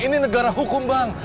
ini negara hukum bang